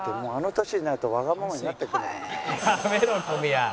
やめろ小宮。